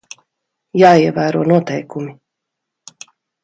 Jāievēro noteikumi.